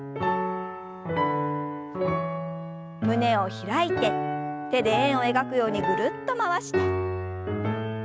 胸を開いて手で円を描くようにぐるっと回して。